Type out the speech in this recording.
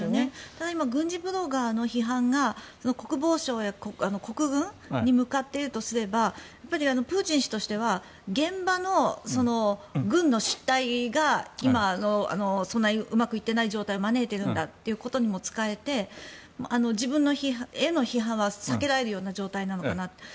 ただ、軍事ブロガーの批判が国防省や国軍に向かっているとすればプーチン氏としては現場の軍の失態が今、そんなにうまくいっていない状態を招いているんだということにも使えて自分への批判は避けられるような状態なのかなと。